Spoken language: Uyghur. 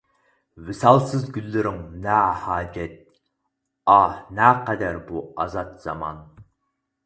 ۋىسالسىز گۈللىرىڭ نە ھاجەت، ئاھ نەقەدەر بۇ ئازاد زامان.